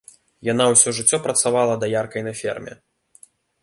Яна ўсё жыццё працавала даяркай на ферме.